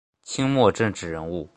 清末政治人物。